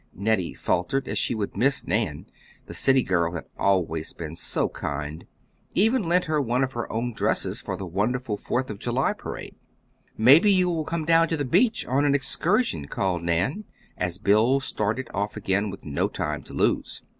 Nettie faltered, for she would miss Nan, the city girl had always been so kind even lent her one of her own dresses for the wonderful Fourth of July parade. "Maybe you will come down to the beach on an excursion," called Nan, as Bill started off again with no time to lose.